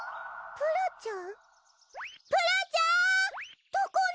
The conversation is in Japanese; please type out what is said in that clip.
プラちゃん！